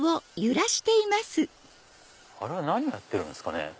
あれは何やってるんですかね？